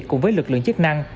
cùng với lực lượng chức năng